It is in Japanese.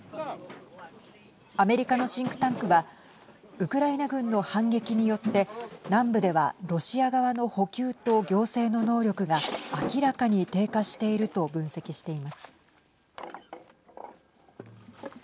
アメリカのシンクタンクはウクライナ軍の反撃によって南部では、ロシア側の補給と行政の能力が明らかに低下していると分析しています。